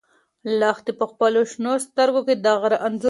لښتې په خپلو شنه سترګو کې د غره انځور ولید.